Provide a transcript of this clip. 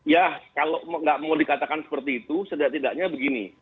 ya kalau tidak mau dikatakan seperti itu setidaknya begini